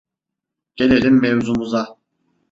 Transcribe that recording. Gelelim mevzumuza: